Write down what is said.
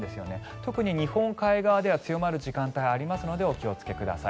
特に日本海側では強まる時間帯がありますのでお気をつけください。